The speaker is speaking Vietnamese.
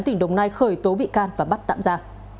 tỉnh đồng nai khởi tố bị can và bắt tạm ra